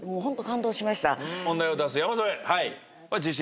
問題を出す山添は。